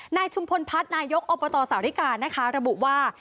นายชุมพลพัฒนายยกอบตสาวธิการะบุว่า